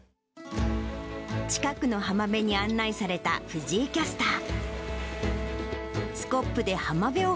近くの浜辺に案内された藤井キャスター。